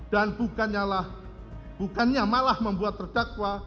dan bukannya malah membuat terdakwa